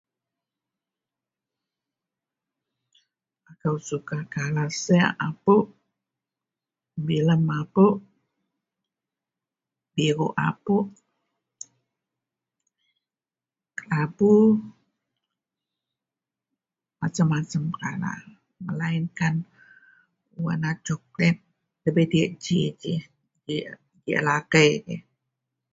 akou suka kaler sek apuk, bilem apuk ,biru apuk, lampu macam-macam kaler melainkan warna coklet debei diyak ji ji , ji alakei ji